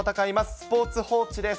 スポーツ報知です。